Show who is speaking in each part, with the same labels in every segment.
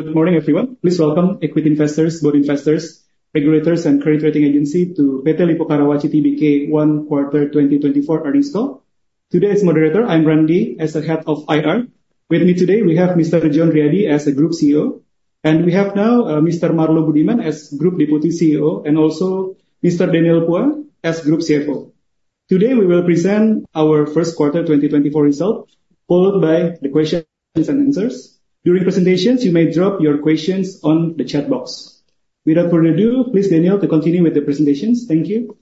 Speaker 1: Good morning, everyone. Please welcome equity investors, bond investors, regulators and credit rating agencies to PT Lippo Karawaci Tbk's Q1 2024 earnings call. Today's moderator, I'm Randi, as the head of IR. With me today, we have Mr. John Riady as the Group CEO, and we have now Mr. Marlo Budiman as Group Deputy CEO, and also Mr. Daniel Phua as Group CFO. Today, we will present our Q1 2024 results, followed by the Q&A. During presentations, you may drop your questions on the chat box. Without further ado, please, Daniel Phua, to continue with the presentations. Thank you.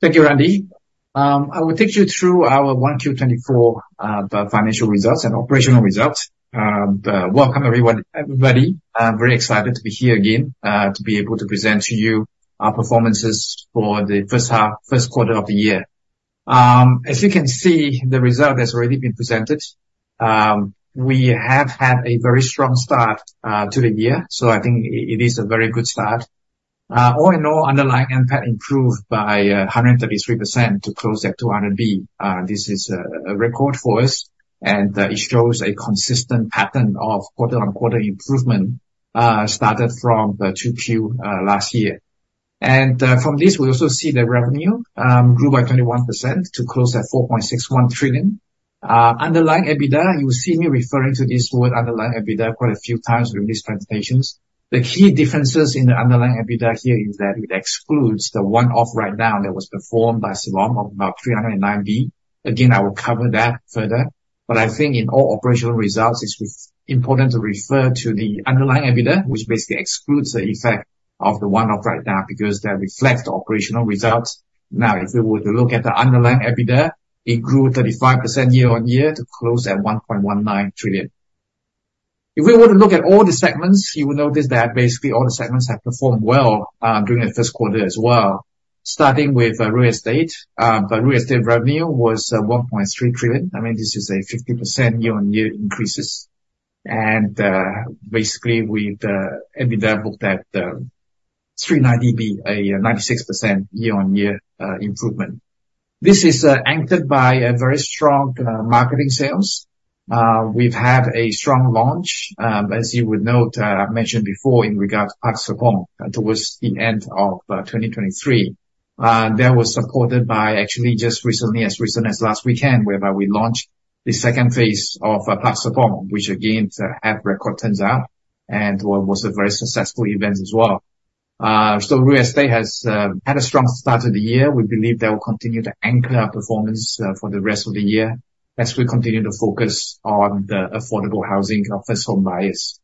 Speaker 2: Thank you, Randi. I will take you through our 1Q 2024, the financial results and operational results. Welcome everyone, everybody. I'm very excited to be here again, to be able to present to you our performances for the H1, Q1 of the year. As you can see, the result has already been presented. We have had a very strong start, to the year, so I think it is a very good start. All in all, underlying NPAT improved by 133% to close at 200 billion. This is a record for us, and it shows a consistent pattern of quarter-on-quarter improvement, started from the 2Q last year. From this, we also see the revenue grew by 21% to close at 4.61 trillion. Underlying EBITDA, you will see me referring to this word, underlying EBITDA, quite a few times during these presentations. The key differences in the underlying EBITDA here is that it excludes the one-off write-down that was performed by Siloam of about 309 billion. Again, I will cover that further, but I think in all operational results, it's important to refer to the underlying EBITDA, which basically excludes the effect of the one-off write-down, because that reflects the operational results. Now, if we were to look at the underlying EBITDA, it grew 35% year-on-year to close at 1.19 trillion. If we were to look at all the segments, you will notice that basically all the segments have performed well during the Q1 as well. Starting with real estate, the real estate revenue was 1.3 trillion. I mean, this is a 50% year-on-year increase. Basically, with the EBITDA booked at 390 billion, a 96% year-on-year improvement. This is anchored by a very strong marketing sales. We've had a strong launch, as you would note, I've mentioned before in regards to Park Serpong, towards the end of 2023. That was supported by actually just recently, as recent as last weekend, whereby we launched the phase II of Park Serpong, which again had record turnout and was a very successful event as well. Real estate has had a strong start to the year. We believe that will continue to anchor our performance for the rest of the year as we continue to focus on the affordable housing of first home buyers.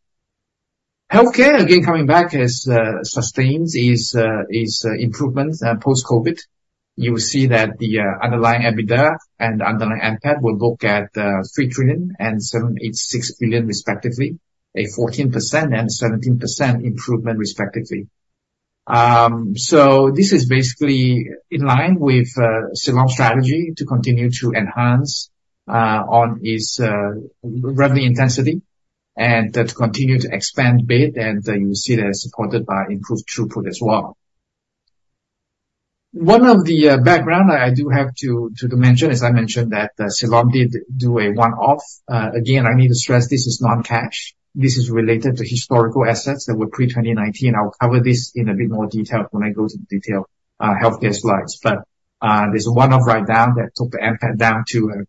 Speaker 2: Healthcare, again, coming back, has sustained its improvement post-COVID. You will see that the underlying EBITDA and underlying NPAT will look at 3 trillion and 786 billion, respectively, a 14% and 17% improvement, respectively. So this is basically in line with Siloam strategy to continue to enhance on its revenue intensity and to continue to expand bed, and you see that supported by improved throughput as well. One of the background I do have to mention, as I mentioned, that Siloam did do a one-off. Again, I need to stress this is non-cash. This is related to historical assets that were pre-2019. I will cover this in a bit more detail when I go to detail healthcare slides. There's a one-off write-down that took the NPAT down to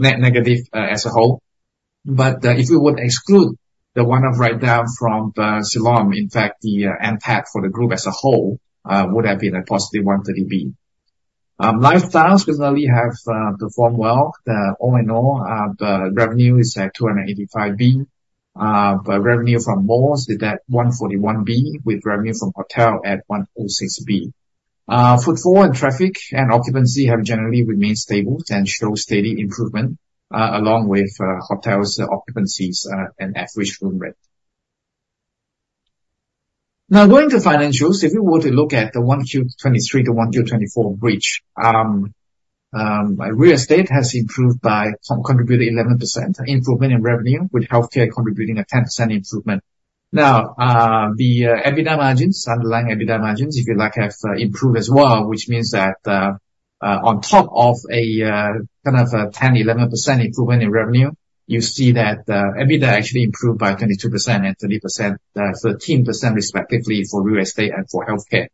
Speaker 2: net negative as a whole. If you would exclude the one-off write-down from Siloam, in fact, the NPAT for the group as a whole would have been a +130 billion. Lifestyles personally have performed well. All in all, the revenue is at 285 billion. But revenue from malls is at 141 billion, with revenue from hotel at 106 billion. Footfall and traffic and occupancy have generally remained stable and show steady improvement, along with hotels' occupancies and average room rate. Now, going to financials, if we were to look at the 1Q 2023-1Q 2024 bridge, real estate has improved by some contributed 11% improvement in revenue, with healthcare contributing a 10% improvement. Now, the EBITDA margins, underlying EBITDA margins, if you like, have improved as well, which means that on top of a kind of a 10%-11% improvement in revenue, you see that the EBITDA actually improved by 22% and 30%, 13%, respectively, for real estate and for healthcare.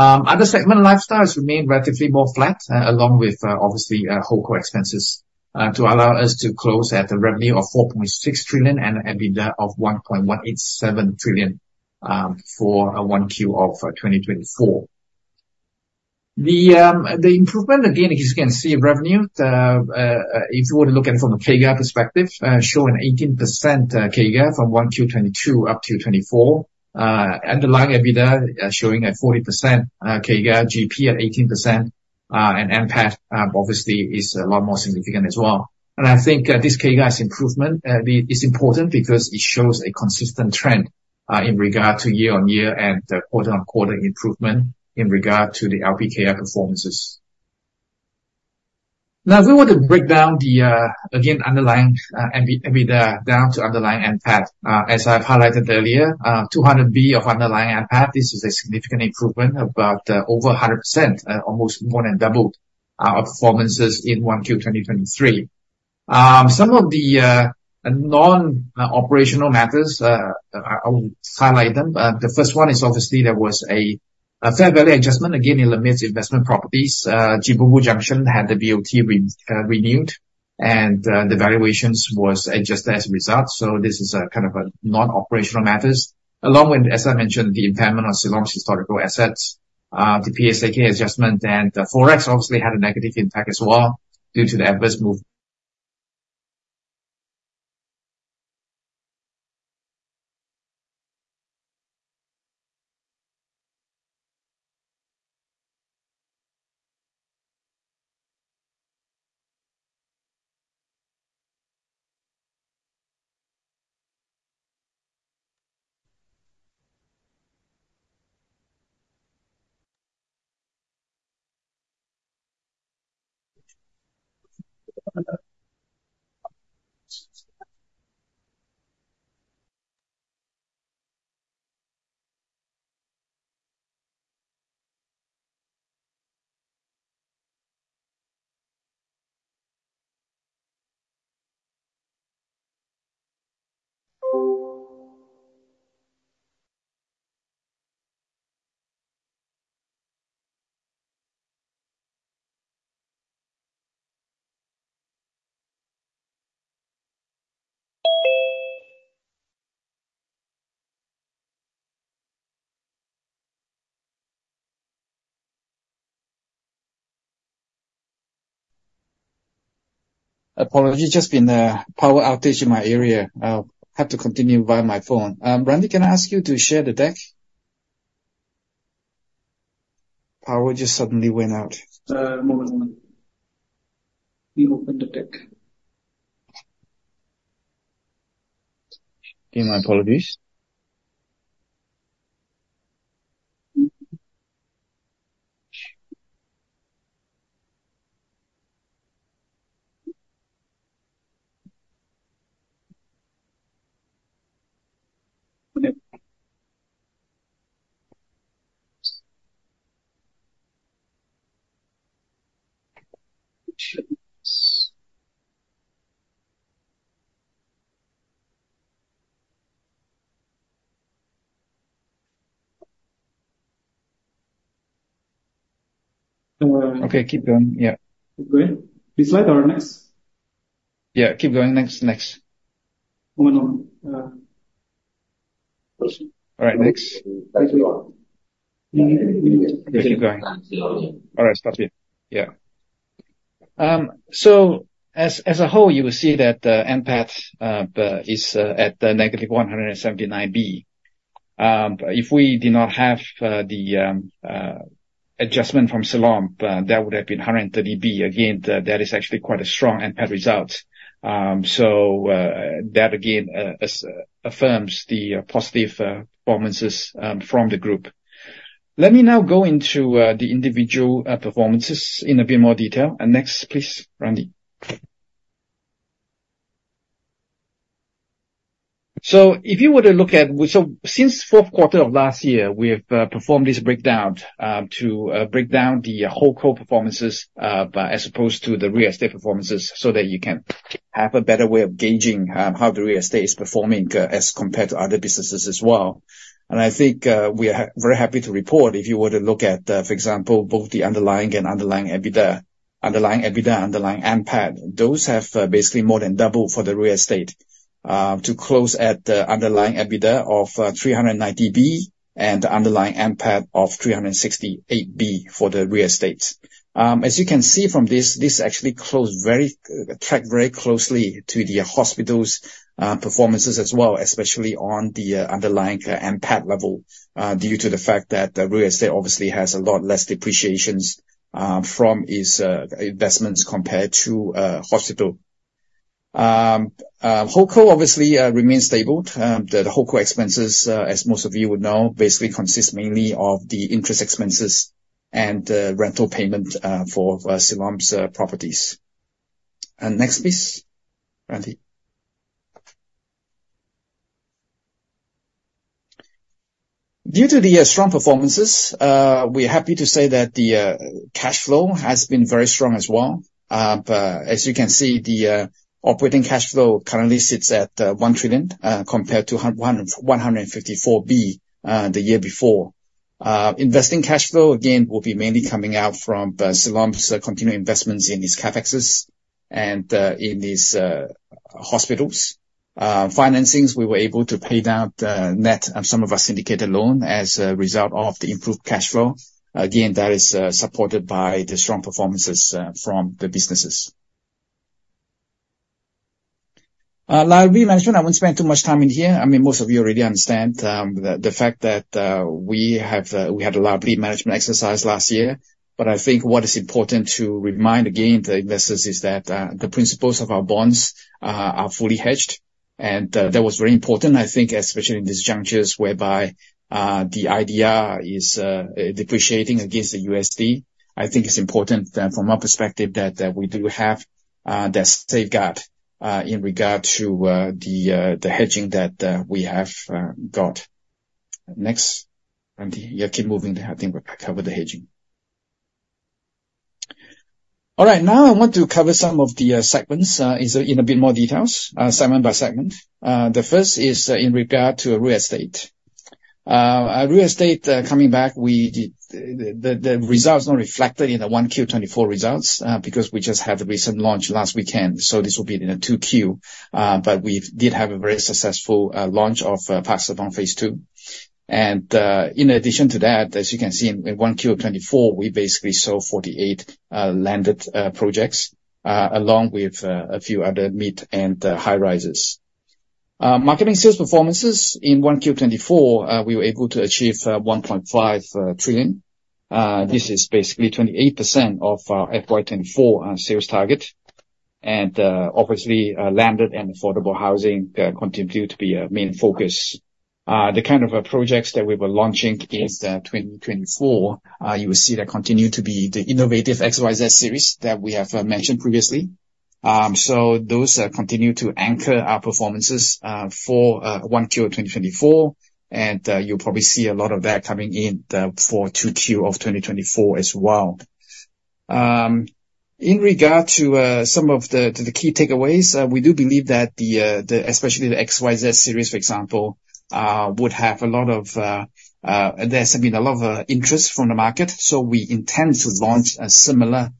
Speaker 2: Other segment lifestyles remain relatively more flat, along with obviously Holdco expenses, to allow us to close at the revenue of 4.6 trillion and an EBITDA of 1.187 trillion, for a 1Q of 2024. The improvement, again, as you can see, in revenue, if you were to look at it from a CAGR perspective, show an 18% CAGR from 1Q 2022 up to 2024. Underlying EBITDA showing a 40% CAGR, GP at 18%, and NPAT, obviously, is a lot more significant as well. And I think this CAGR's improvement is important because it shows a consistent trend in regard to year-on-year and quarter-on-quarter improvement in regard to the LPKR performances. Now, if we were to break down the, again, underlying EBITDA down to underlying NPAT, as I've highlighted earlier, 200 billion of underlying NPAT, this is a significant improvement, about over 100%, almost more than double.... Our performances in 1Q 2023. Some of the non-operational matters, I will highlight them. The first one is obviously there was a fair value adjustment, again, in the mixed investment properties. Cibubur Junction had the BOT renewed, and the valuations was adjusted as a result. So this is a kind of a non-operational matters, along with, as I mentioned, the impairment of Siloam's historical assets, the PSAK adjustment, and the Forex obviously had a negative impact as well due to the adverse move. Apologies, just been a power outage in my area. I'll have to continue via my phone. Randi, can I ask you to share the deck? Power just suddenly went out.
Speaker 1: One moment. We open the deck.
Speaker 2: My apologies.
Speaker 1: Okay.
Speaker 2: Okay, keep going. Yeah.
Speaker 1: Keep going. This slide or next?
Speaker 2: Yeah, keep going. Next, next.
Speaker 1: Hold on.
Speaker 2: All right, next.
Speaker 1: Thanks a lot.
Speaker 2: Keep going. All right, stop it. Yeah. So as, as a whole, you will see that the NPAT is at -179 billion. If we did not have the adjustment from Siloam, that would have been 130 billion. Again, that is actually quite a strong NPAT result. That again affirms the positive performances from the group. Let me now go into the individual performances in a bit more detail. And next, please, Randi. So since Q4 of last year, we have performed this breakdown to break down the Holdco performances as opposed to the real estate performances, so that you can have a better way of gauging how the real estate is performing as compared to other businesses as well. And I think we are very happy to report, if you were to look at for example, both the Underlying and underlying EBITDA, underlying EBITDA, underlying NPAT, those have basically more than doubled for the real estate to close at the underlying EBITDA of 390 billion, and the Underlying NPAT of 368 billion for the real estate. As you can see from this, this actually tracked very closely to the hospital's performances as well, especially on the underlying NPAT level, due to the fact that the real estate obviously has a lot less depreciations from its investments compared to hospital. Holdco obviously remains stable. The Holdco expenses, as most of you would know, basically consists mainly of the interest expenses and rental payment for Siloam's properties. And next, please, Randi. Due to the strong performances, we are happy to say that the cash flow has been very strong as well. But as you can see, the operating cash flow currently sits at 1 trillion compared to 154 billion the year before. Investing cash flow, again, will be mainly coming out from, Siloam's continued investments in its CapEx and, in its, hospitals. Financings, we were able to pay down the net of some of our syndicated loan as a result of the improved cash flow. Again, that is, supported by the strong performances, from the businesses. Liability management, I won't spend too much time in here. I mean, most of you already understand, the fact that, we had a liability management exercise last year. But I think what is important to remind again, the investors, is that, the principals of our bonds, are fully hedged. And, that was very important, I think, especially in these junctures whereby, the IDR is, depreciating against the USD. I think it's important, from our perspective, that, we do have, that safeguard, in regard to, the, the hedging that, we have, got. Next, and yeah, keep moving, I think we've covered the hedging. All right, now I want to cover some of the, segments, is in a bit more details, segment by segment. The first is in regard to real estate. Our real estate, coming back, we did- the results not reflected in the 1Q 2024 results, because we just had a recent launch last weekend, so this will be in the 2Q. But we did have a very successful, launch of, Park Serpong phase II. In addition to that, as you can see in 1Q 2024, we basically saw 48 landed projects along with a few other mid and high-rises. Marketing sales performances in 1Q 2024, we were able to achieve 1.5 trillion. This is basically 28% of our FY 2024 sales target. Obviously, landed and affordable housing continue to be a main focus. The kind of projects that we were launching in 2024, you will see that continue to be the innovative XYZ series that we have mentioned previously. So those continue to anchor our performances for 1Q 2024, and you'll probably see a lot of that coming in for 2Q 2024 as well. In regard to some of the key takeaways, we do believe that the especially the XYZ series, for example, would have a lot of there's been a lot of interest from the market, so we intend to launch similar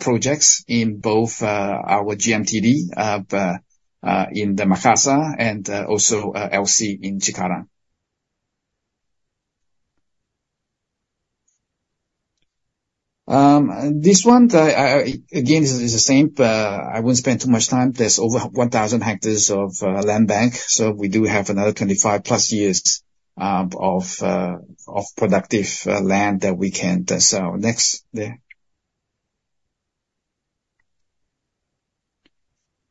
Speaker 2: projects in both our GMTD in the Makassar and also LC in Cikarang. This one again is the same. I won't spend too much time. There's over 1,000 hectares of land bank, so we do have another 25+ years of productive land that we can sell.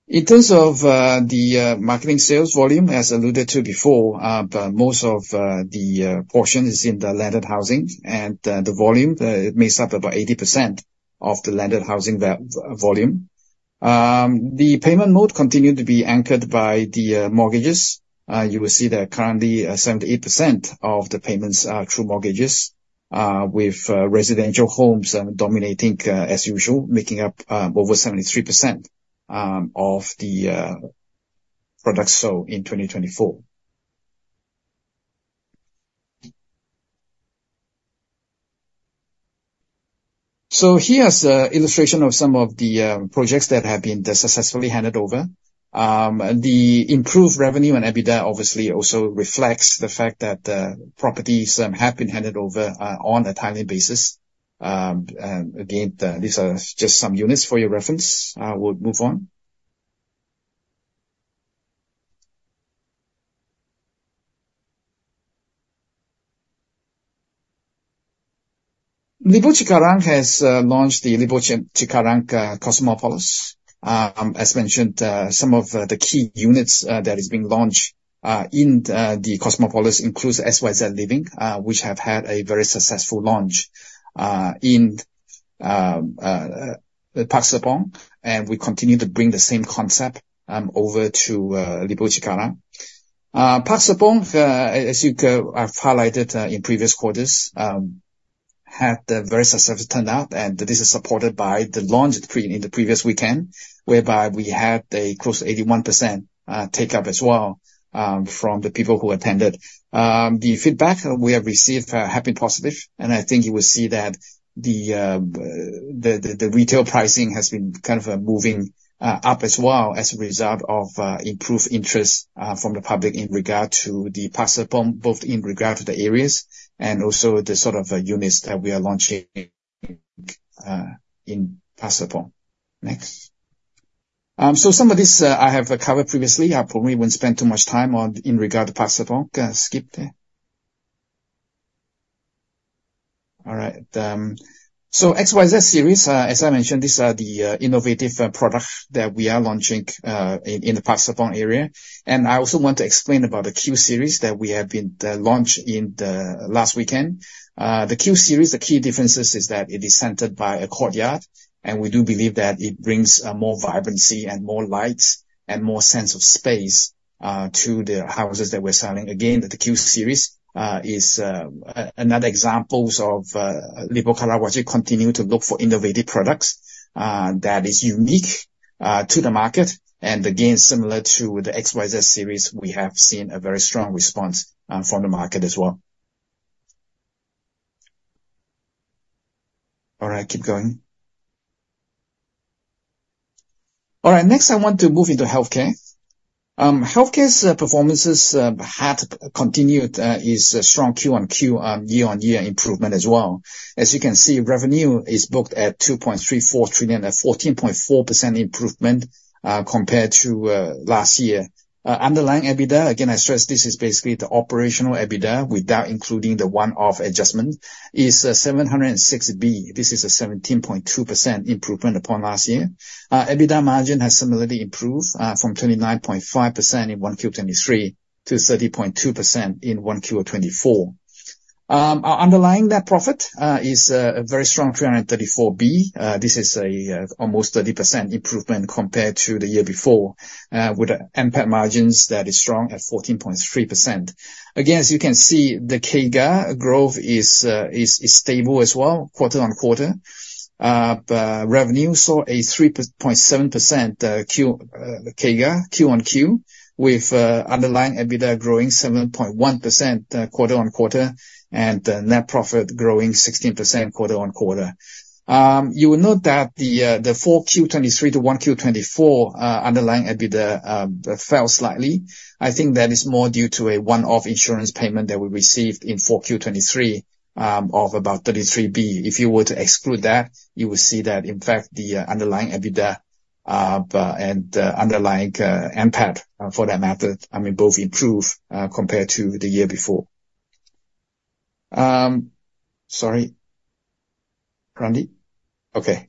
Speaker 2: Next. In terms of the marketing sales volume, as alluded to before, most of the portion is in the landed housing and the volume, it makes up about 80% of the landed housing, the volume. The payment mode continued to be anchored by the mortgages. You will see that currently 78% of the payments are through mortgages with residential homes dominating as usual, making up over 73% of the products sold in 2024. So here's an illustration of some of the projects that have been successfully handed over. The improved revenue and EBITDA obviously also reflects the fact that properties have been handed over on a timely basis. And again, these are just some units for your reference. We'll move on. Lippo Cikarang has launched the Lippo Cikarang Cosmopolis. As mentioned, some of the key units that is being launched in the Cosmopolis includes XYZ Livin, which have had a very successful launch in Park Serpong, and we continue to bring the same concept over to Lippo Cikarang. Park Serpong, as you I've highlighted in previous quarters, had a very successful turnout, and this is supported by the launch pre, in the previous weekend, whereby we had a close to 81% take up as well from the people who attended. The feedback we have received have been positive, and I think you will see that the retail pricing has been kind of moving up as well, as a result of improved interest from the public in regard to the Park Serpong, both in regard to the areas and also the sort of units that we are launching in Park Serpong. Next. Some of this I have covered previously. I probably won't spend too much time on in regard to Park Serpong. Skip there. All right, XYZ series, as I mentioned, these are the innovative products that we are launching in the Park Serpong area. I also want to explain about the Q series that we have been launched in the last weekend. The Q series, the key differences is that it is centered by a courtyard, and we do believe that it brings, more vibrancy and more light and more sense of space, to the houses that we're selling. Again, the Q series, is, another examples of, Lippo Cikarang, where we continue to look for innovative products, that is unique, to the market. And again, similar to the XYZ series, we have seen a very strong response, from the market as well. All right, keep going. All right, next, I want to move into healthcare. Healthcare's performances had continued is a strong quarter-on-quarter, year-on-year improvement as well. As you can see, revenue is booked at 2.34 trillion, a 14.4% improvement, compared to, last year. Underlying EBITDA, again, I stress this is basically the operational EBITDA without including the one-off adjustment, is 760 billion. This is a 17.2% improvement upon last year. EBITDA margin has similarly improved from 29.5% in 1Q 2023 to 30.2% in 1Q 2024. Our underlying net profit is a very strong 334 billion. This is a almost 30% improvement compared to the year before with NPAT margins that is strong at 14.3%. Again, as you can see, the CAGR growth is stable as well, quarter-on-quarter. But revenue saw a 3.7% Q-on-Q CAGR, with underlying EBITDA growing 7.1% quarter-on-quarter, and net profit growing 16% quarter-on-quarter. You will note that the full Q2 2023-Q1 2024 underlying EBITDA fell slightly. I think that is more due to a one-off insurance payment that we received in 4Q 2023 of about 33 billion. If you were to exclude that, you would see that, in fact, the underlying EBITDA and underlying NPAT for that matter, I mean, both improved compared to the year before. Sorry, Randi? Okay.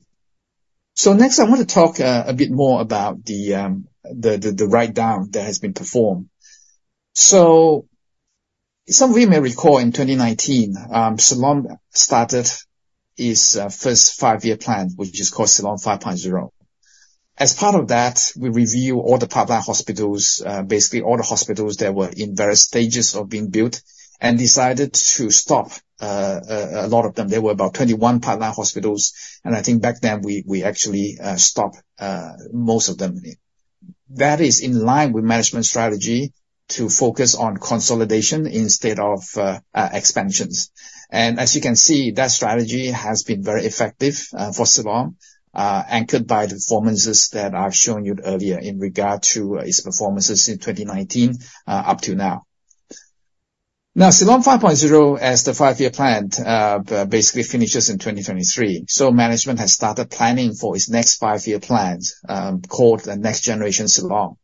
Speaker 2: So next, I want to talk a bit more about the write-down that has been performed. Some of you may recall, in 2019, Siloam started its first 5 year plan, which is called Siloam 5.0. As part of that, we review all the pipeline hospitals, basically all the hospitals that were in various stages of being built, and decided to stop a lot of them. There were about 21 pipeline hospitals, and I think back then, we actually stopped most of them. That is in line with management strategy to focus on consolidation instead of expansions. As you can see, that strategy has been very effective for Siloam, anchored by the performances that I've shown you earlier in regard to its performances in 2019, up till now. Now, Siloam 5.0, as the 5 year plan, basically finishes in 2023, so management has started planning for its next 5 year plan, called the Next Generation Siloam.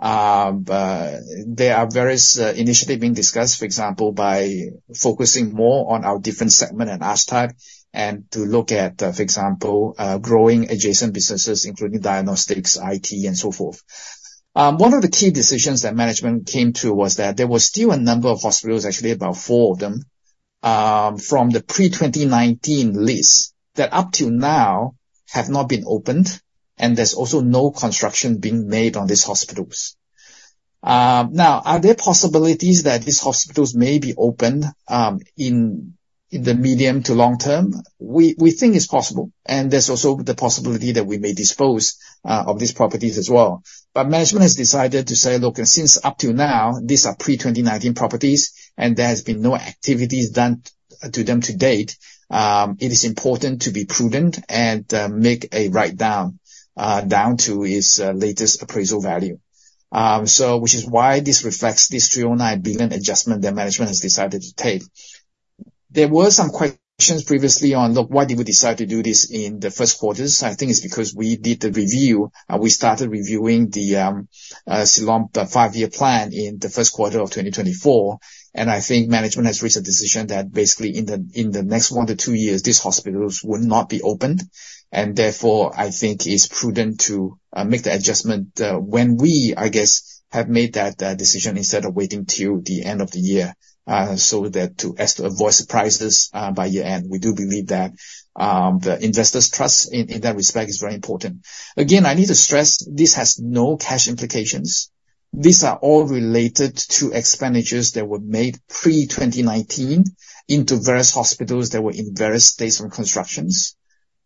Speaker 2: There are various initiatives being discussed, for example, by focusing more on our different segment and asset type, and to look at, for example, growing adjacent businesses, including diagnostics, IT, and so forth. One of the key decisions that management came to was that there were still a number of hospitals, actually about four of them, from the pre-2019 list, that up till now have not been opened, and there's also no construction being made on these hospitals. Now, are there possibilities that these hospitals may be opened, in the medium to long-term? We think it's possible, and there's also the possibility that we may dispose of these properties as well. But management has decided to say, "Look, since up till now, these are pre-2019 properties, and there has been no activities done to them to date, it is important to be prudent and make a write-down down to its latest appraisal value." So which is why this reflects this 309 billion adjustment that management has decided to take. There were some questions previously on, look, why did we decide to do this in the Q1s? I think it's because we did the review, and we started reviewing the Siloam, the 5 year plan in the Q1 of 2024. I think management has reached a decision that basically in the next 1 year-2 years, these hospitals will not be opened, and therefore, I think it's prudent to make the adjustment when we, I guess, have made that decision instead of waiting till the end of the year, so as to avoid surprises by year-end. We do believe that the investors' trust in that respect is very important. Again, I need to stress, this has no cash implications. These are all related to expenditures that were made pre-2019 into various hospitals that were in various states of construction.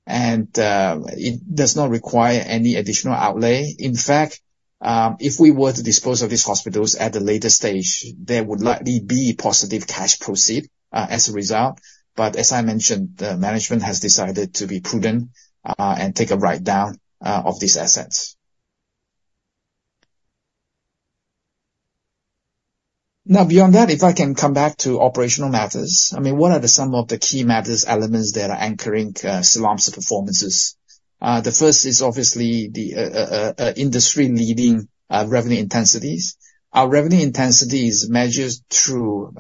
Speaker 2: And it does not require any additional outlay. In fact, if we were to dispose of these hospitals at a later stage, there would likely be positive cash proceeds as a result. But as I mentioned, the management has decided to be prudent, and take a write-down, of these assets. Now, beyond that, if I can come back to operational matters, I mean, what are some of the key elements that are anchoring Siloam's performances? The first is obviously the industry-leading revenue intensities. Our revenue intensities measures through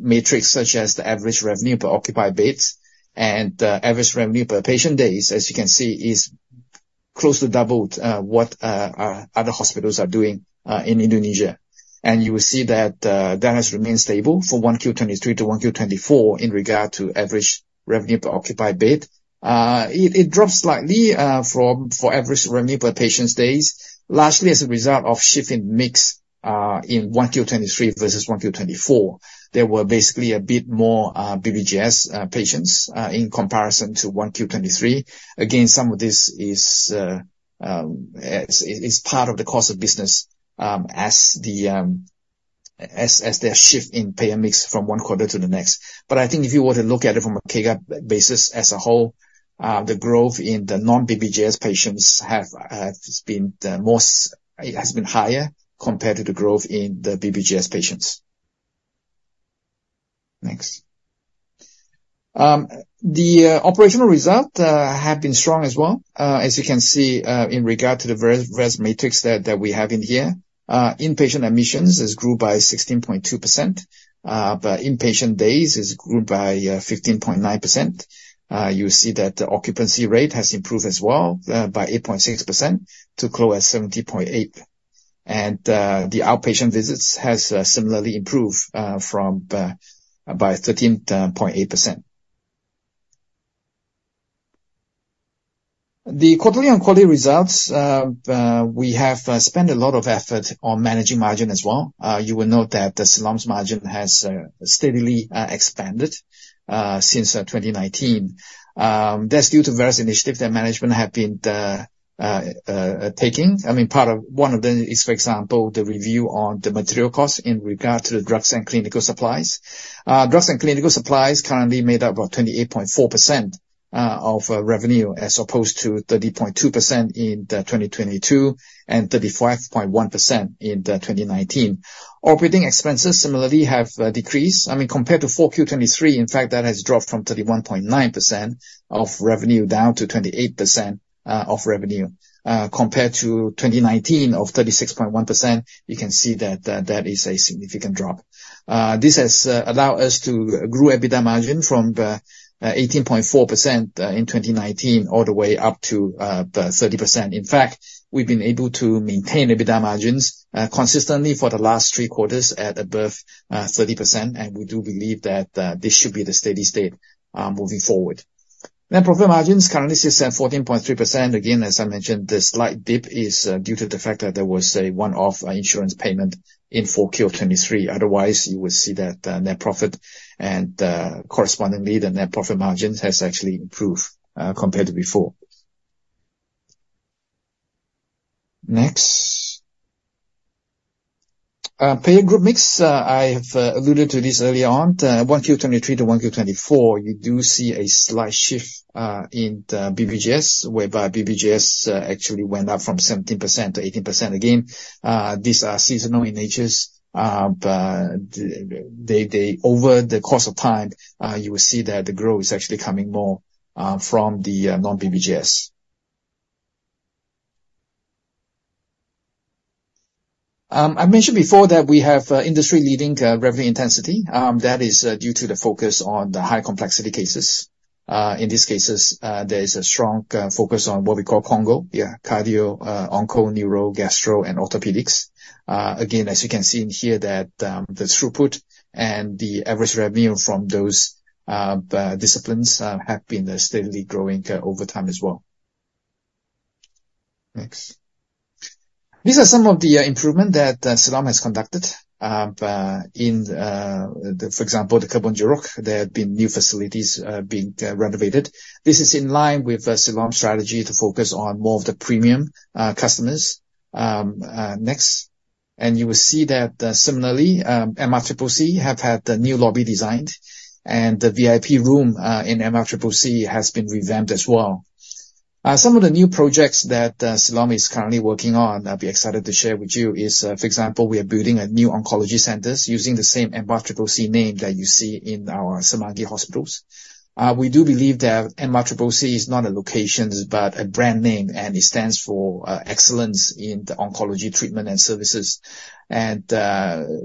Speaker 2: metrics such as the average revenue per occupied beds and average revenue per patient days. As you can see, is close to double what our other hospitals are doing in Indonesia. And you will see that that has remained stable for 1Q 2023-1Q 2024 in regard to average revenue per occupied bed. It dropped slightly for average revenue per patient stays, largely as a result of shifting mix in 1Q 2023 versus 1Q 2024. There were basically a bit more BPJS patients in comparison to 1Q 2023. Again, some of this is. It's part of the course of business, as there are shift in payer mix from one quarter to the next. But I think if you were to look at it from a CAGR basis as a whole, the growth in the non-BPJS patients have been the most... It has been higher compared to the growth in the BPJS patients. Next. The operational result have been strong as well. As you can see, in regard to the various metrics that we have in here, inpatient admissions has grew by 16.2%, but inpatient days has grew by 15.9%. You see that the occupancy rate has improved as well, by 8.6% to close at 70.8%. The outpatient visits has similarly improved by 13.8%. The quarterly oncology results, we have spent a lot of effort on managing margin as well. You will note that the Siloam's margin has steadily expanded since 2019. That's due to various initiatives that management have been taking. I mean, part of one of them is, for example, the review on the material costs in regard to the drugs and clinical supplies. Drugs and clinical supplies currently made up about 28.4% of revenue as opposed to 30.2% in 2022, and 35.1% in 2019. Operating expenses similarly have decreased. I mean, compared to 4Q 2023, in fact, that has dropped from 31.9% of revenue down to 28% of revenue. Compared to 2019 of 36.1%, you can see that that is a significant drop. This has allowed us to grow EBITDA margin from 18.4% in 2019, all the way up to 30%. In fact, we've been able to maintain EBITDA margins consistently for the last three quarters at above 30%, and we do believe that this should be the steady state moving forward. Net profit margins currently sits at 14.3%. Again, as I mentioned, the slight dip is due to the fact that there was a one-off insurance payment in 4Q 2023. Otherwise, you would see that net profit and correspondingly, the net profit margins has actually improved compared to before. Next. Payer group mix, I've alluded to this early on. 1Q 2023 to 1Q 2024, you do see a slight shift in the BPJS, whereby BPJS actually went up from 17% to 18%. Again, these are seasonal in nature, but they over the course of time, you will see that the growth is actually coming more from the non-BPJS. I mentioned before that we have industry-leading revenue intensity. That is due to the focus on the high complexity cases. In these cases, there is a strong focus on what we call CONGO, yeah, cardio, onco, neuro, gastro, and orthopedics. Again, as you can see in here, that the throughput and the average revenue from those disciplines have been steadily growing over time as well. Next. These are some of the improvements that Siloam has conducted. But in the, for example, the Kebon Jeruk, there have been new facilities being renovated. This is in line with the Siloam strategy to focus on more of the premium, customers. Next. You will see that, similarly, MRCCC have had the new lobby designed, and the VIP room, in MRCCC has been revamped as well. Some of the new projects that, Siloam is currently working on, I'd be excited to share with you, is, for example, we are building a new oncology centers using the same MRCCC name that you see in our Semanggi hospitals. We do believe that MRCCC is not a location, but a brand name, and it stands for, excellence in the oncology treatment and services. MRCCC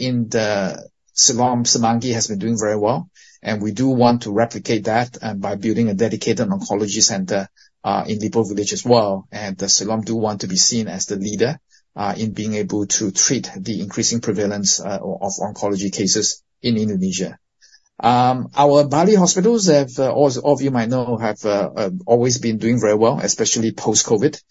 Speaker 2: in the Siloam Semanggi has been doing very well, and we do want to replicate that, by building a dedicated oncology center, in Lippo Village as well. The Siloam do want to be seen as the leader in being able to treat the increasing prevalence of oncology cases in Indonesia. Our Bali hospitals, as all of you might know, have always been doing very well, especially post-COVID.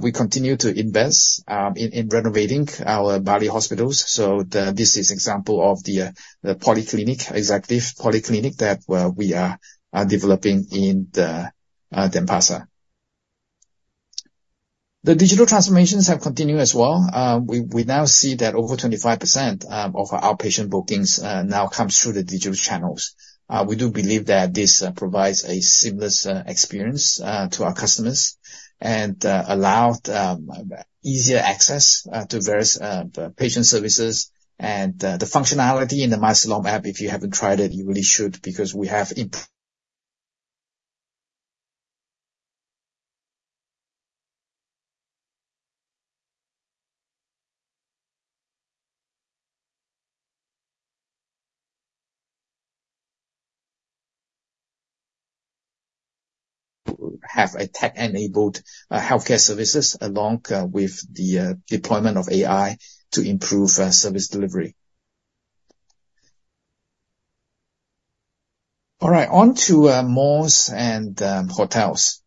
Speaker 2: We continue to invest in renovating our Bali hospitals. This is example of the polyclinic, executive polyclinic, that we are developing in the Denpasar. The digital transformations have continued as well. We now see that over 25% of our outpatient bookings now comes through the digital channels. We do believe that this provides a seamless experience to our customers and allow easier access to various patient services. The functionality in the MySiloam app, if you haven't tried it, you really should, because we have a tech-enabled healthcare services along with the deployment of AI to improve service delivery. All right, on to malls and hotels.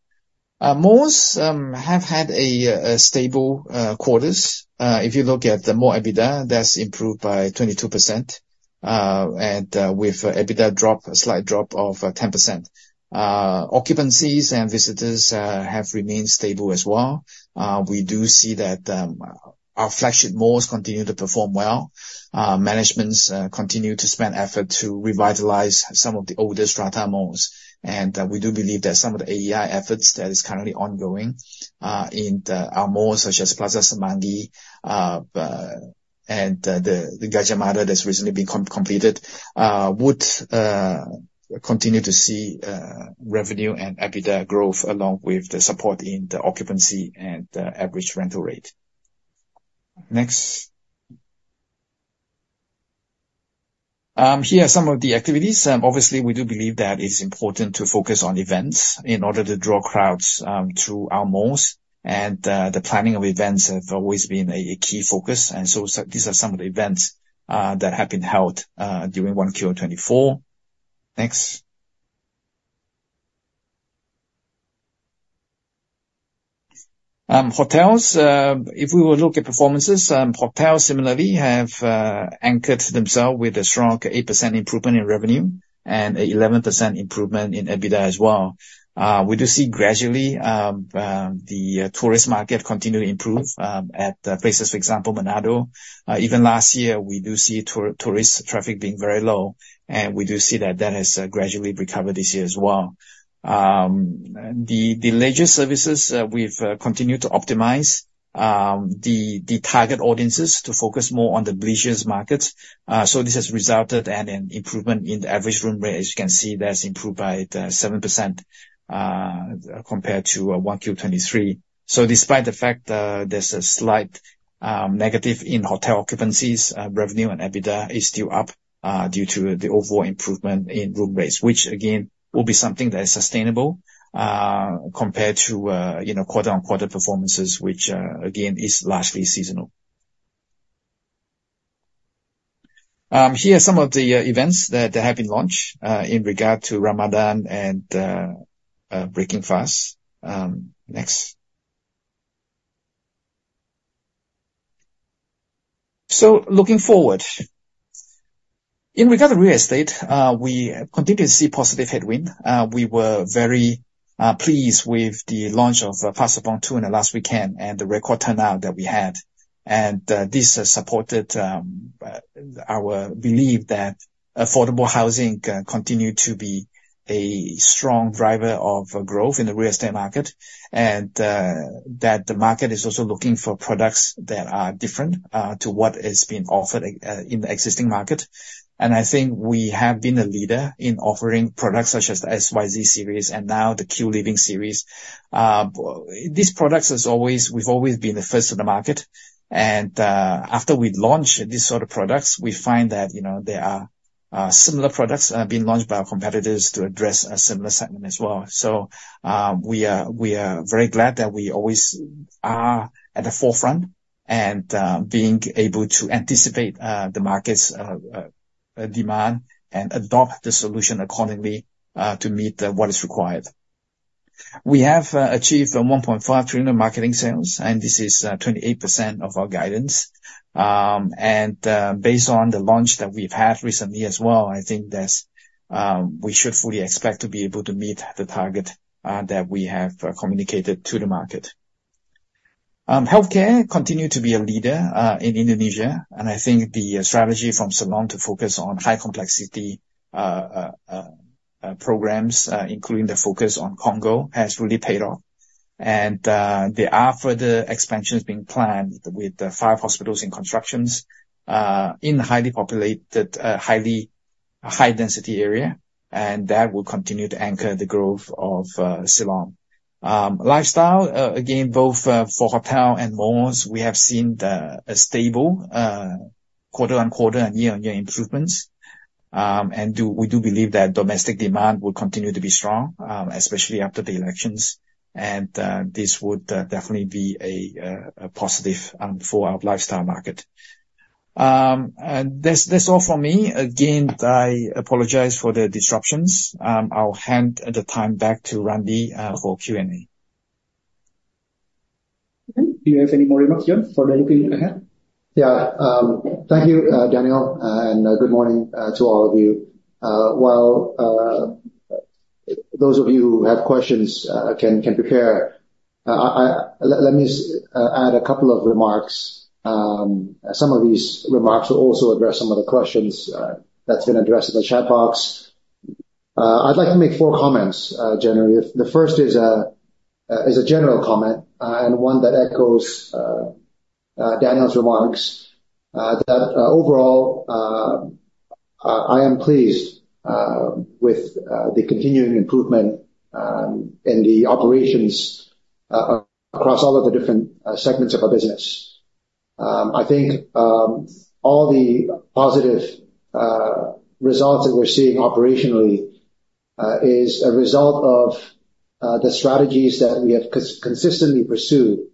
Speaker 2: Malls have had a stable quarters. If you look at the mall EBITDA, that's improved by 22%, and with EBITDA drop, a slight drop of 10%. Occupancies and visitors have remained stable as well. We do see that our flagship malls continue to perform well. Managements continue to spend effort to revitalize some of the older strata malls. We do believe that some of the AEI efforts that is currently ongoing in our malls, such as Plaza Semanggi, and the Gajah Mada that's recently been completed, would continue to see revenue and EBITDA growth, along with the support in the occupancy and average rental rate. Next. Here are some of the activities. Obviously, we do believe that it's important to focus on events in order to draw crowds to our malls, and the planning of events have always been a key focus. And so these are some of the events that have been held during 1Q of 2024. Next. Hotels, if we were to look at performances, hotels similarly have anchored themselves with a strong 8% improvement in revenue and 11% improvement in EBITDA as well. We do see gradually the tourist market continue to improve at places, for example, Manado. Even last year, we do see tourist traffic being very low, and we do see that that has gradually recovered this year as well. The leisure services, we've continued to optimize the target audiences to focus more on the leisure markets. So this has resulted in an improvement in the average room rate. As you can see, that's improved by 7% compared to 1Q 2023. So despite the fact that there's a slight negative in hotel occupancies, revenue, and EBITDA is still up due to the overall improvement in room rates. Which again, will be something that is sustainable compared to, you know, quarter-on-quarter performances, which again, is largely seasonal. Here are some of the events that have been launched in regard to Ramadan and breaking fast. Next. So looking forward. In regard to real estate, we continue to see positive headwind. We were very pleased with the launch of Park Serpong last weekend and the record turnout that we had. This has supported our belief that affordable housing continue to be a strong driver of growth in the real estate market, and that the market is also looking for products that are different to what is being offered in the existing market. I think we have been a leader in offering products such as the XYZ series and now the Q Livin series. These products, as always, we've always been the first in the market, and after we launch these sort of products, we find that, you know, there are similar products being launched by our competitors to address a similar segment as well. We are very glad that we always are at the forefront and being able to anticipate the market's demand and adopt the solution accordingly to meet what is required. We have achieved 1.5 trillion marketing sales, and this is 28% of our guidance. Based on the launch that we've had recently as well, I think that we should fully expect to be able to meet the target that we have communicated to the market. Healthcare continue to be a leader in Indonesia, and I think the strategy from Siloam to focus on high complexity programs, including the focus on CONGO, has really paid off. There are further expansions being planned with the five hospitals in constructions in highly populated, highly high density area, and that will continue to anchor the growth of Siloam. Lifestyle, again, both for hotel and malls, we have seen a stable quarter-on-quarter and year-on-year improvements. We do believe that domestic demand will continue to be strong, especially after the elections. This would definitely be a positive for our lifestyle market. That's all from me. Again, I apologize for the disruptions. I'll hand the time back to Randi for Q&A.
Speaker 1: Do you have any more remarks, John Riady, for looking ahead?
Speaker 3: Yeah. Thank you, Daniel Phua, and good morning to all of you. Well, those of you who have questions can prepare. Let me add a couple of remarks. Some of these remarks will also address some of the questions that's been addressed in the chat box. I'd like to make four comments generally. The first is a general comment and one that echoes Daniel Phua's remarks. That overall, I am pleased with the continuing improvement in the operations across all of the different segments of our business. I think all the positive results that we're seeing operationally is a result of the strategies that we have consistently pursued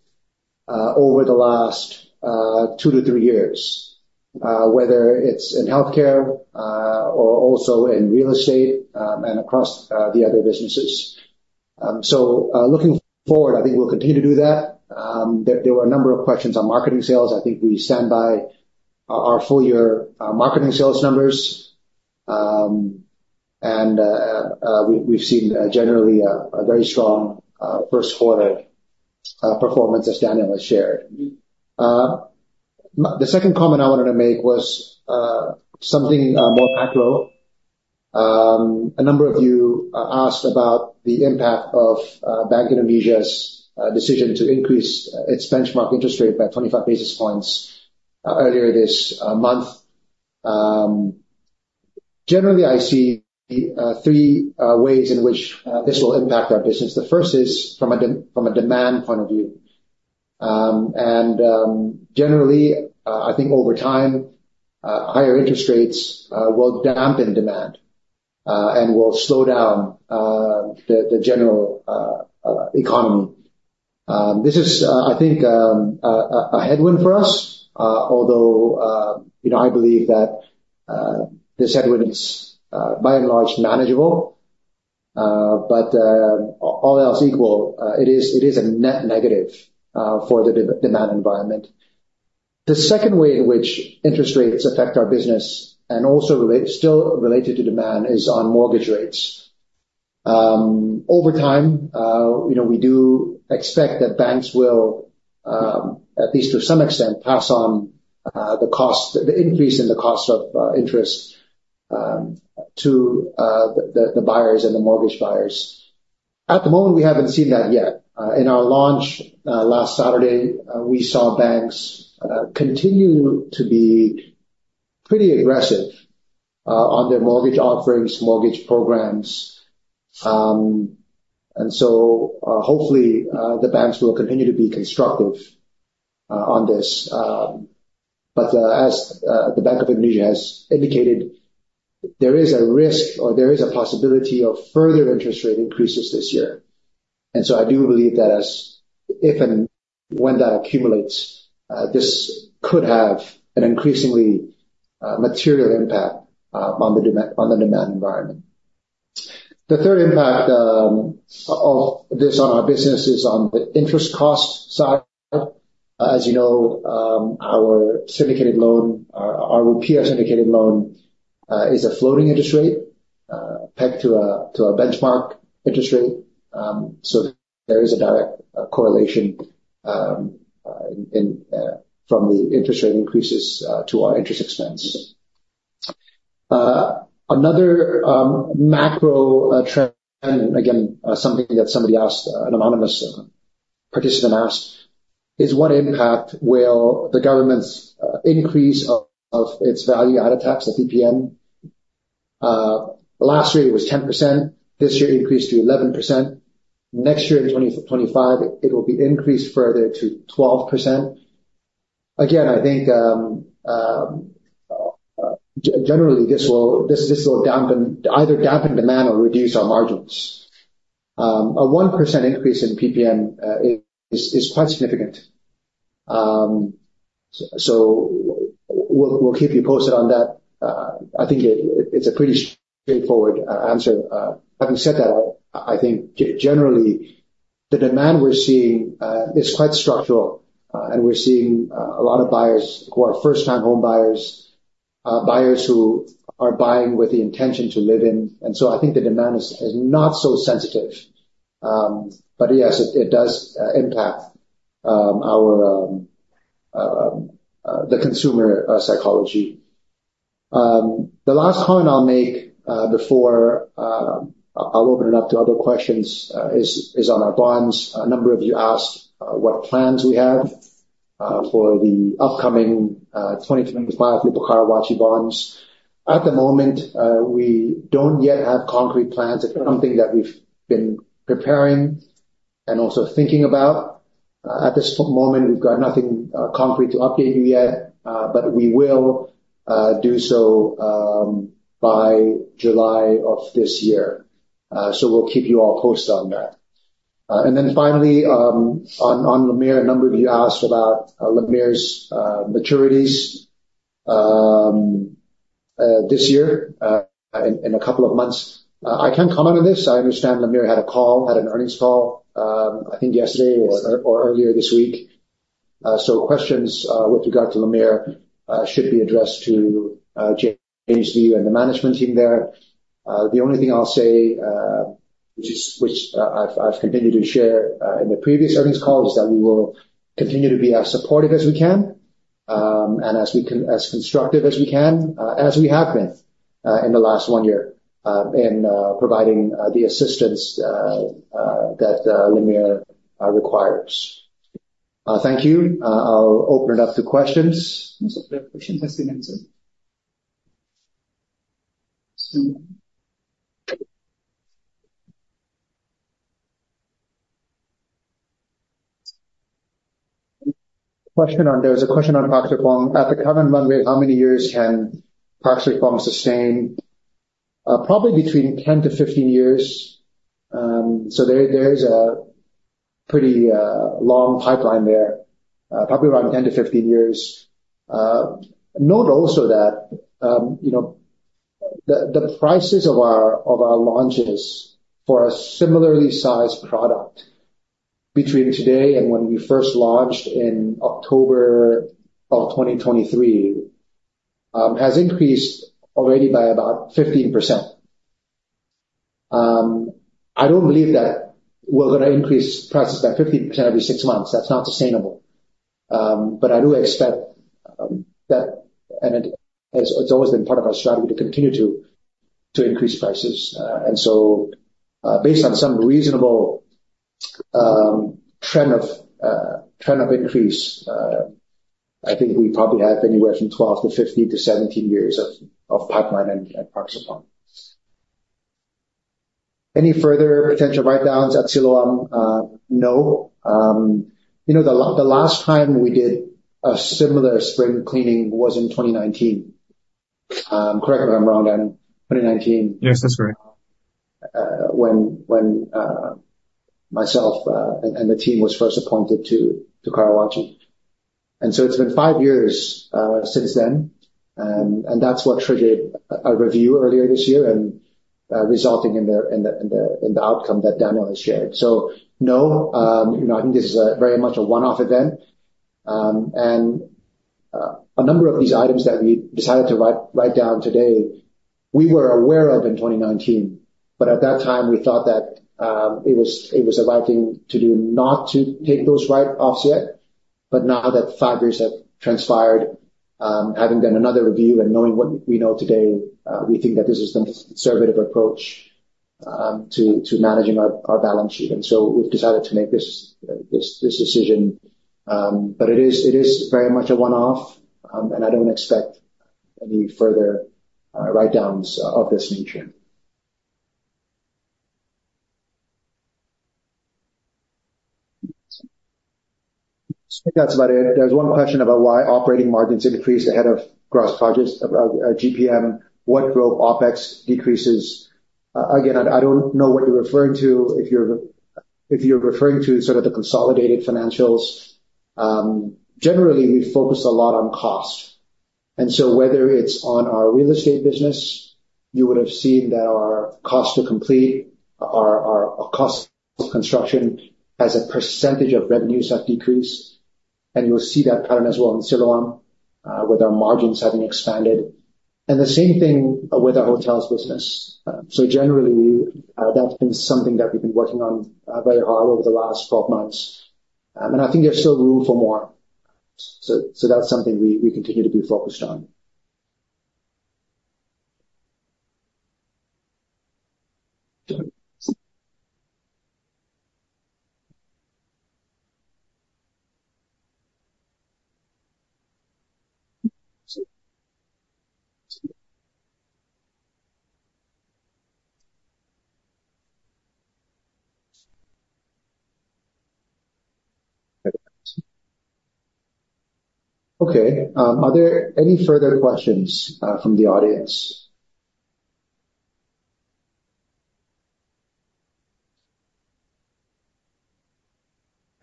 Speaker 3: over the last 2 years-3 years. Whether it's in healthcare or also in real estate and across the other businesses. So, looking forward, I think we'll continue to do that. There were a number of questions on marketing sales. I think we stand by our full year marketing sales numbers. And we've seen generally a very strong Q1 performance, as Daniel Phua has shared. The second comment I wanted to make was something more macro. A number of you asked about the impact of Bank Indonesia's decision to increase its benchmark interest rate by 25 basis points earlier this month. Generally, I see three ways in which this will impact our business. The first is from a demand point of view. And generally, I think over time, higher interest rates will dampen demand and will slow down the general economy. This is, I think, a headwind for us. Although, you know, I believe that this headwind is by and large manageable. But all else equal, it is a net negative for the demand environment. The second way in which interest rates affect our business, and also still related to demand, is on mortgage rates. Over time, you know, we do expect that banks will, at least to some extent, pass on the cost - the increase in the cost of interest to the buyers and the mortgage buyers. At the moment, we haven't seen that yet. In our launch last Saturday, we saw banks continue to be pretty aggressive on their mortgage offerings, mortgage programs. And so, hopefully, the banks will continue to be constructive on this. But as the Bank of Indonesia has indicated, there is a risk or there is a possibility of further interest rate increases this year. And so I do believe that as if and when that accumulates, this could have an increasingly material impact on the demand, on the demand environment. The third impact of this on our business is on the interest cost side. As you know, our syndicated loan, our Rp syndicated loan, is a floating interest rate pegged to a benchmark interest rate. So there is a direct correlation from the interest rate increases to our interest expense. Another macro trend, again, something that somebody asked, an anonymous participant asked, is what impact will the government's increase of its value-added tax, the PPN? Last year it was 10%, this year increased to 11%. Next year, in 2025, it will be increased further to 12%. Again, I think generally, this will either dampen demand or reduce our margins. A 1% increase in PPN is quite significant. So we'll keep you posted on that. I think it's a pretty straightforward answer. Having said that, I think generally, the demand we're seeing is quite structural, and we're seeing a lot of buyers who are first-time home buyers, buyers who are buying with the intention to live in. And so I think the demand is not so sensitive. But yes, it does impact the consumer psychology. The last point I'll make before I'll open it up to other questions is on our bonds. A number of you asked what plans we have for the upcoming 2025 Rupiah Wakala bonds. At the moment, we don't yet have concrete plans. It's something that we've been preparing and also thinking about. At this moment, we've got nothing concrete to update you yet, but we will do so by July of this year. So we'll keep you all posted on that. And then finally, on LMIRT, a number of you asked about LMIRT's maturities this year, in a couple of months. I can't comment on this. I understand LMIRT had a call, had an earnings call, I think yesterday or earlier this week. So questions with regard to LMIRT should be addressed to James Lee and the management team there. The only thing I'll say, which I've continued to share in the previous earnings calls, is that we will continue to be as supportive as we can, and as constructive as we can, as we have been in the last one year, in providing the assistance that LMIRT requires. Thank you. I'll open it up to questions.
Speaker 1: Most of the questions has been answered.
Speaker 3: On Park Serpong. There was a question on Park Serpong. At the current run rate, how many years can Park Serpong sustain? Probably between 10 years-15 years. So there is a pretty long pipeline there, probably around 10 years-15 years. Note also that, you know, the prices of our launches for a similarly sized product between today and when we first launched in October 2023, has increased already by about 15%. I don't believe that we're gonna increase prices by 15% every six months. That's not sustainable. But I do expect that, and it's always been part of our strategy to continue to increase prices. So, based on some reasonable trend of increase, I think we probably have anywhere from 12 years-15 years-17 years of pipeline and Park Serpong... Any further potential write-downs at Siloam? No. You know, the last time we did a similar spring cleaning was in 2019. Correct me if I'm wrong, Daniel Phua, 2019.
Speaker 2: Yes, that's correct.
Speaker 3: When myself and the team was first appointed to Karawaci. So it's been five years since then. And that's what triggered a review earlier this year, resulting in the outcome that Daniel Phua has shared. So, no, you know, I think this is very much a one-off event. And a number of these items that we decided to write down today, we were aware of in 2019, but at that time, we thought that it was the right thing to do, not to take those write offs yet. But now that five years have transpired, having done another review and knowing what we know today, we think that this is the conservative approach to managing our balance sheet. And so we've decided to make this decision. But it is very much a one-off, and I don't expect any further write-downs of this nature. I think that's about it. There's one question about why operating margins increased ahead of gross profits, about GPM, what drove OpEx decreases? Again, I don't know what you're referring to. If you're referring to sort of the consolidated financials, generally, we focus a lot on cost. And so whether it's on our real estate business, you would have seen that our cost to complete, our cost of construction as a percentage of revenues have decreased. And you'll see that pattern as well in Siloam, with our margins having expanded, and the same thing with the hotels business. So generally, that's been something that we've been working on very hard over the last 12 months. And I think there's still room for more. So that's something we continue to be focused on. Okay, are there any further questions from the audience?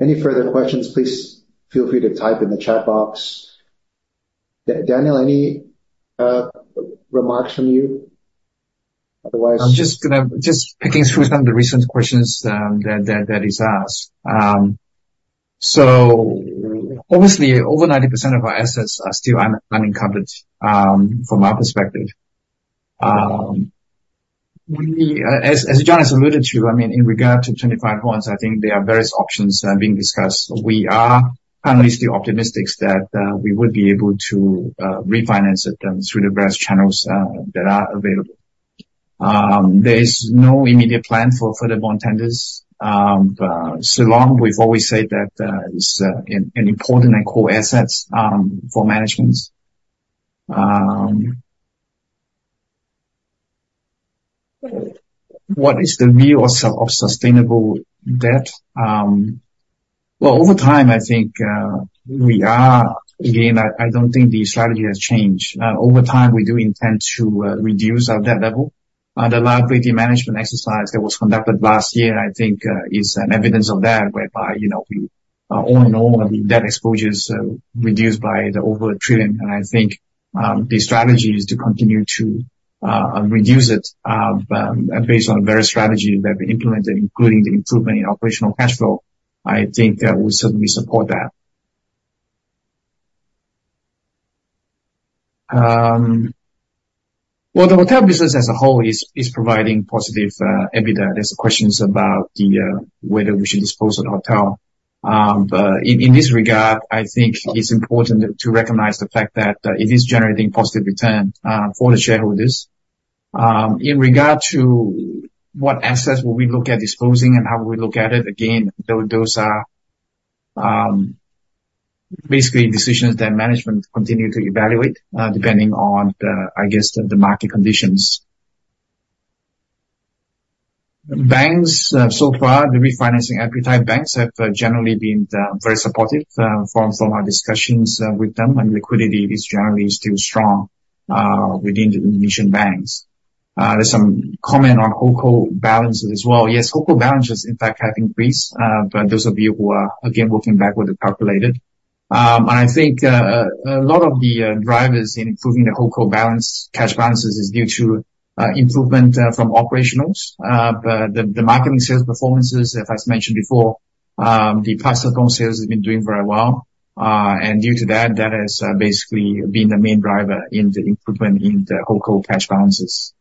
Speaker 3: Any further questions, please feel free to type in the chat box. Daniel Phua, any remarks from you? Otherwise-
Speaker 2: I'm just gonna just picking through some of the recent questions, that is asked. So obviously, over 90% of our assets are still unencumbered, from our perspective. We, as John Riady has alluded to, I mean, in regard to 2025 bonds, I think there are various options being discussed. We are currently still optimistic that we would be able to refinance it through the various channels that are available. There is no immediate plan for further bond tenders. Siloam, we've always said that is an important and core assets for management. What is the view of sustainable debt? Well, over time, I think we are... Again, I don't think the strategy has changed. Over time, we do intend to reduce our debt level. The liability management exercise that was conducted last year, I think, is an evidence of that, whereby, you know, we, all in all, the debt exposure is reduced by over 1 trillion. I think the strategy is to continue to reduce it, based on various strategies that we implemented, including the improvement in operational cash flow. I think that we certainly support that. Well, the hotel business as a whole is providing positive EBITDA. There are questions about whether we should dispose of the hotel. But in this regard, I think it's important to recognize the fact that it is generating positive return for the shareholders. In regard to what assets will we look at disposing and how we look at it, again, those are basically decisions that management continue to evaluate, depending on the, I guess, the market conditions. Banks, so far, the refinancing appetite, banks have generally been very supportive, from our discussions with them, and liquidity is generally still strong within the Indonesian banks. There's some comment on Holdco cash balances as well. Yes, Holdco cash balances, in fact, have increased, but those of you who are, again, working backward and calculated. And I think a lot of the drivers in improving the Holdco cash balances is due to improvement from operationals. But the marketing sales performances, as mentioned before, the Park Serpong sales have been doing very well. And due to that, that has basically been the main driver in the improvement in the Holdco cash balances.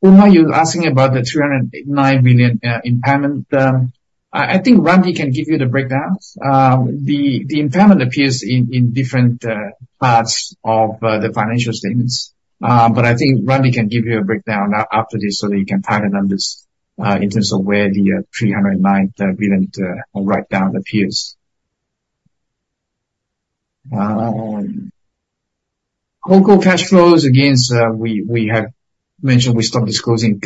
Speaker 2: You're asking about the 309 million impairment. I think Randi can give you the breakdown. The impairment appears in different parts of the financial statements. But I think Randi can give you a breakdown after this, so that you can tie the numbers in terms of where the 309 billion write down appears. Holdco cash flows, again, we have mentioned, we stopped disclosing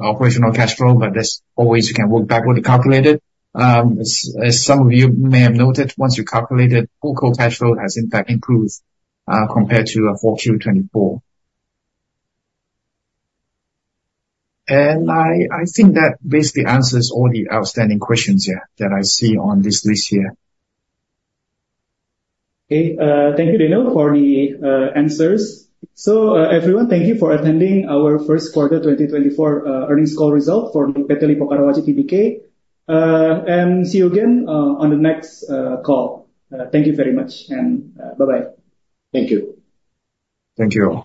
Speaker 2: operational cash flow, but there's always, you can work backward and calculate it. As some of you may have noted, once you calculate it, Holdco cash flow has in fact improved, compared to 4Q 2024. I think that basically answers all the outstanding questions, yeah, that I see on this list here.
Speaker 1: Okay, thank you, Daniel Phua, for the answers. Everyone, thank you for attending our Q1 2024 earnings call result for PT Lippo Karawaci Tbk. See you again on the next call. Thank you very much, and bye-bye.
Speaker 2: Thank you.
Speaker 3: Thank you.